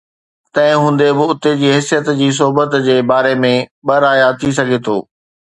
تنهن هوندي به، اتي جي حيثيت جي صحبت جي باري ۾ ٻه رايا ٿي سگهي ٿو.